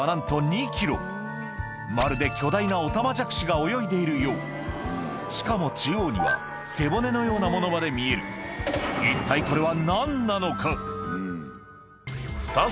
まるで巨大なオタマジャクシが泳いでいるようしかも中央には背骨のようなものまで見えるよく見ると。